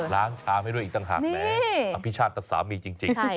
ชามให้ด้วยอีกต่างหากแหมอภิชาติกับสามีจริง